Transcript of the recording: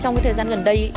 trong thời gian gần đây